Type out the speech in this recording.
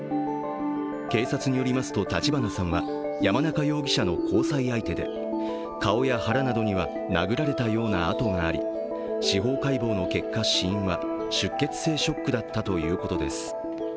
警察によりますと、立花さんは山中容疑者の交際相手で顔や腹などには殴られたような痕があり司法解剖の結果、死因は出血性ショックだったということです。